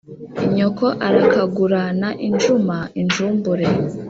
nyoko arakagurana injuma injumbure